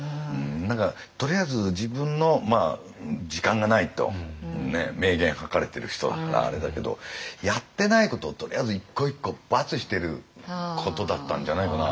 何かとりあえず自分の時間がないと明言書かれてる人だからあれだけどやってないことをとりあえず一個一個バツしてることだったんじゃないかな。